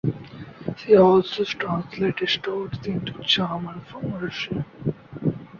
She also translated stories into German from Russian.